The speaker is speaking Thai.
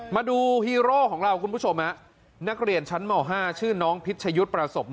มาดูฮีโร่ของเราคุณผู้ชมนักเรียนชั้นม๕ชื่อน้องพิชยุทธ์ประสบ